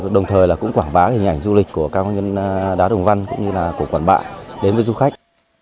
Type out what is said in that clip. đồng thời là cũng quảng bá hình ảnh du lịch của các đá đồng văn cũng như là của quảng bạ đến với du khách